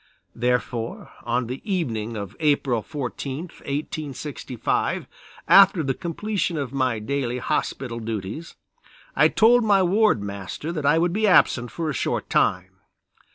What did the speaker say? Therefore on the evening of April 14, 1865, after the completion of my daily hospital duties, I told my Ward Master that I would be absent for a short time.